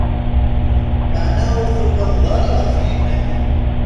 Maɛna ur tugadeḍ ara ɣef yiman-im.